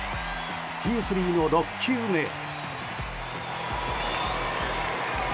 ヒースリーの６球目を。